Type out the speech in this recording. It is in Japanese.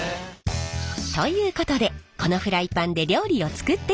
ということでこのフライパンで料理を作っていただきます！